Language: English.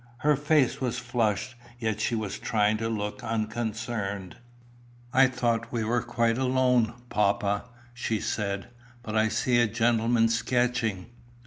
Her face was flushed, yet she was trying to look unconcerned. "I thought we were quite alone, papa," she said; "but I see a gentleman sketching."